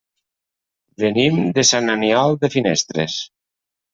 Venim de Sant Aniol de Finestres.